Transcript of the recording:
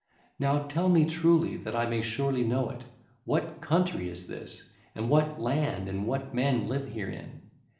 Now tell me truly that I may surely know it: what country is this, and what land, and what men live herein?